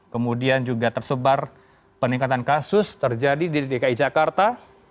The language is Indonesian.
kemudian juga tersebar peningkatan kasus terjadi di dki jakarta